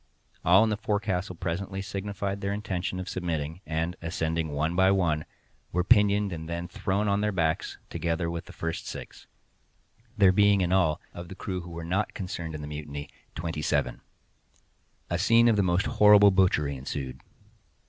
All in the forecastle presently signified their intention of submitting, and, ascending one by one, were pinioned and then thrown on their backs, together with the first six—there being in all, of the crew who were not concerned in the mutiny, twenty seven. A scene of the most horrible butchery ensued.